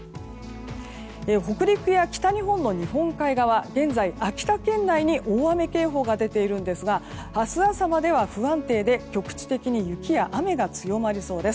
北陸や北日本の日本海側現在、秋田県内に大雨警報が出ているんですが明日朝までは不安定で、局地的に雪や雨が強まりそうです。